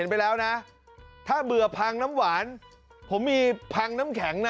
ไปแล้วนะถ้าเบื่อพังน้ำหวานผมมีพังน้ำแข็งนะ